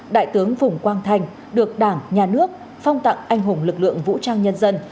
đại tướng phùng quang thanh được đảng nhà nước phong tặng anh hùng lực lượng vũ trang nhân dân